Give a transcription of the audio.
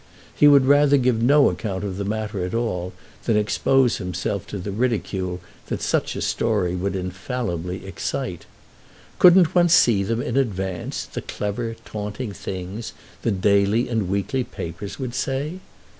He would rather give no account of the matter at all than expose himself to the ridicule that such a story would infallibly excite. Couldn't one see them in advance, the clever, taunting things the daily and weekly papers would say?